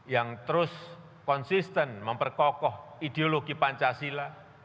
yang terus konsisten memperkokoh ideologi pancasila